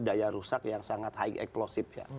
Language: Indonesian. daya rusak yang sangat high explosive ya